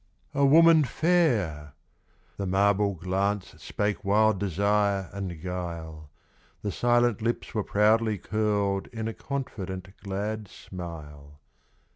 A woman fair! The marble glance Spake wild desire and guile. The silent lips were proudly curled In a confident, glad smile.